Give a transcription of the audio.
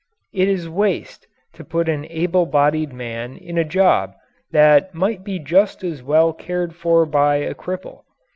It is waste to put an able bodied man in a job that might be just as well cared for by a cripple.